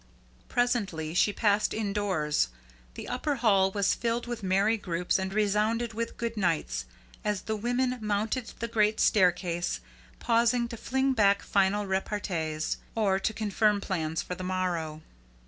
Presently she passed indoors. The upper hall was filled with merry groups and resounded with "good nights" as the women mounted the great staircase, pausing to fling back final repartees, or to confirm plans for the morrow.